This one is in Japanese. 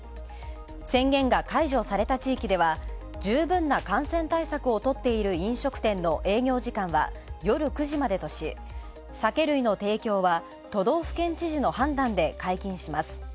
宣言が解除された地域では十分な感染対策をとっている飲食店の営業時間は夜９時までとし、酒類の提供は都道府県知事の判断で解禁します。